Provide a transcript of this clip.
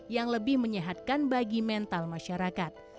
yang lebih menyehatkan bagi mental masyarakat